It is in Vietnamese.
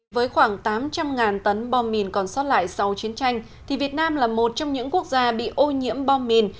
với khoảng tám trăm linh tấn bom mìn còn sót lại sau chiến tranh thì việt nam là một trong những quốc gia bị ô nhiễm bom mìn